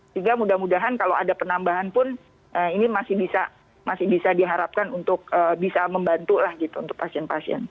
sehingga mudah mudahan kalau ada penambahan pun ini masih bisa diharapkan untuk bisa membantu lah gitu untuk pasien pasien